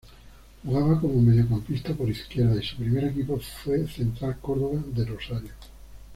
Jugaba como mediocampista por izquierda y su primer equipo fue Central Córdoba de Rosario.